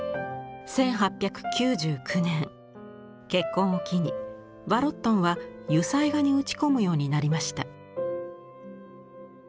１８９９年結婚を機にヴァロットンは油彩画に打ち込むようになりました。